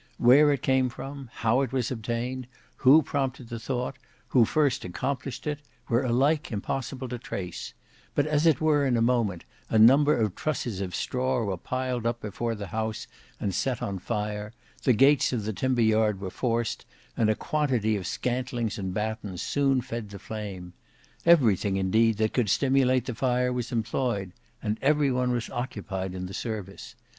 Where it came from, how it was obtained, who prompted the thought, who first accomplished it, were alike impossible to trace; but as it were in a moment, a number of trusses of straw were piled up before the house and set on fire, the gates of the timber yard were forced, and a quantity of scantlings and battens soon fed the flame. Everything indeed that could stimulate the fire was employed; and every one was occupied in the service.